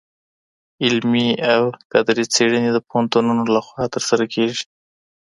علمي او کدري څېړني د پوهنتونونو لخوا ترسره کيږي.